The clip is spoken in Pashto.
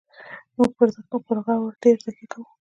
موږ پر غوړ ډېره تکیه کوو.